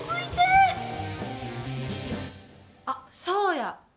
あ、そうや。